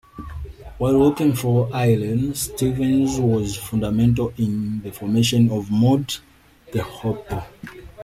While working for Island, Stevens was fundamental in the formation of Mott the Hoople.